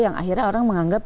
yang akhirnya orang menganggap